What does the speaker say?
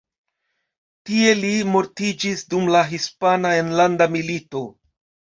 Tie li mortiĝis dum la Hispana Enlanda Milito.